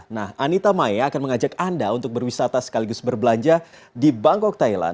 nah anita maya akan mengajak anda untuk berwisata sekaligus berbelanja di bangkok thailand